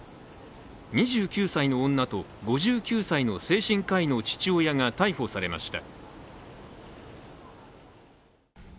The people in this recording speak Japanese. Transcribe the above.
２９歳の女と５９歳の精神科医の父親が逮捕されました。